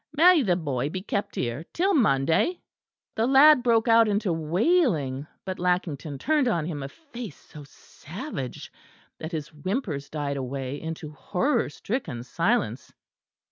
"May the boy be kept here till Monday?" The lad broke out into wailing; but Lackington turned on him a face so savage that his whimpers died away into horror stricken silence.